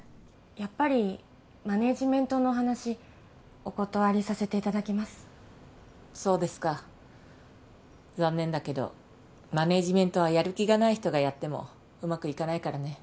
やっぱりマネジメントのお話お断りさせていただきますそうですか残念だけどマネジメントはやる気がない人がやってもうまくいかないからね